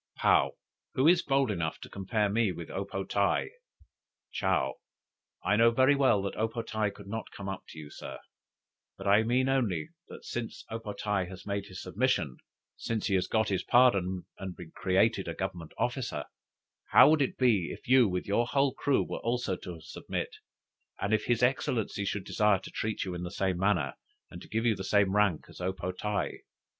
'" "Paou. 'Who is bold enough to compare me with O po tae?'" "Chow. 'I know very well that O po tae could not come up to you, Sir; but I mean only, that since O po tae has made his submission, since he has got his pardon and been created a Government officer, how would it be, if you with your whole crew should also submit, and if his Excellency should desire to treat you in the same manner, and to give you the same rank as O po tae?